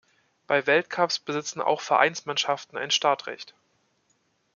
Bei Weltcups besitzen auch Vereinsmannschaften ein Startrecht.